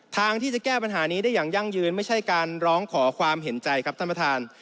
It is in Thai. ทางที่จะแก้ปัญหานี้ได้อย่างยั่งยืนไม่ใช่การร้องขอความเห็นใจครับท่านประธาน